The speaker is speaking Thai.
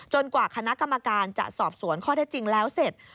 กว่าคณะกรรมการจะสอบสวนข้อเท็จจริงแล้วเสร็จ